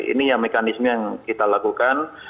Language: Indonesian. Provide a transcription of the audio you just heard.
ini ya mekanisme yang kita lakukan